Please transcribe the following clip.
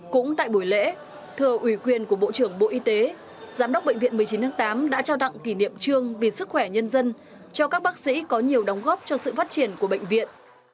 cũng tại buổi lễ thưa ủy quyền của bộ trưởng bộ y tế giám đốc bệnh viện một mươi chín tháng tám đã trao đặng kỷ niệm trương vì sức khỏe nhân dân cho các bác sĩ có nhiều đóng góp cho sự phát triển của bệnh viện